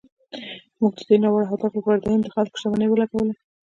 موږ د دې ناوړه هدف لپاره د هند د خلکو شتمني ولګوله.